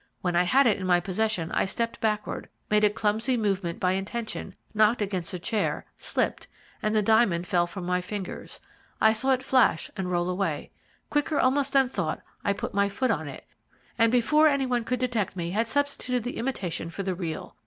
When I had it in my possession I stepped backward, made a clumsy movement by intention, knocked against a chair, slipped, and the diamond fell from my fingers. I saw it flash and roll away. Quicker almost than thought I put my foot on it, and before any one could detect me had substituted the imitation for the real.